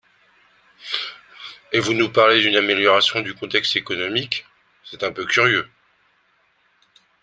Et vous nous parlez d’une amélioration du contexte économique, c’est un peu curieux